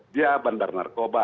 dia bandar narkoba